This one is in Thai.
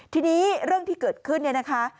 ทีนี้เรื่องที่เกิดขึ้นเนี่ยนะคะ